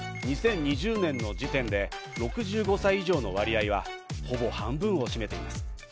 ２０２０年の時点で６５歳以上の割合はほぼ半分を占めています。